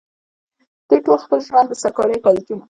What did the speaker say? دوي خپل ټول ژوند د سرکاري کالجونو